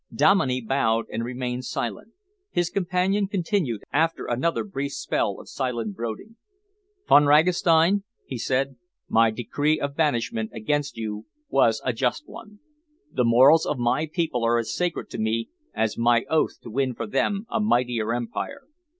Dominey bowed and remained silent. His companion continued after another brief spell of silent brooding. "Von Ragastein," he said, "my decree of banishment against you was a just one. The morals of my people are as sacred to me as my oath to win for them a mightier empire.